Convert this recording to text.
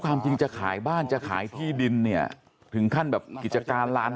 ความจริงจะขายบ้านจะขายที่ดินเนี่ยถึงขั้นแบบกิจการร้าน